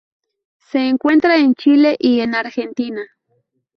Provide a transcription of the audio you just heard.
Se encuentra en Chile y en Argentina.